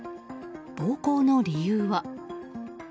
暴行の理由は。